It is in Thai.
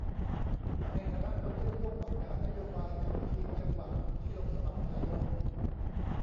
ในฐานะคนที่ร่วมออกแบบนโยบายกับทีมจังหวัดที่ลงสมัครนายก